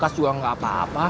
kartus kulkas juga gak apa apa